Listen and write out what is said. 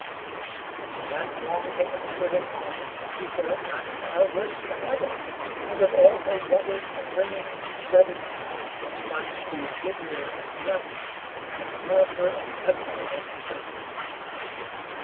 But she hadn't long taken the shirt in hand before it got far worse than ever, and with all her rubbing, and wringing, and scrubbing, the spots grew bigger and blacker, and the darker and uglier was the shirt.